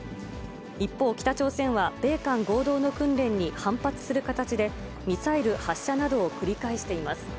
一方、北朝鮮は米韓合同の訓練に反発する形で、ミサイル発射などを繰り返しています。